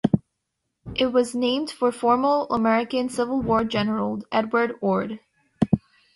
It was named for former American Civil War general, Edward Ord.